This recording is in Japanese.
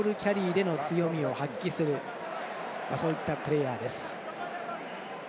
ボールキャリーで強みを発揮するそういったプレーヤーです。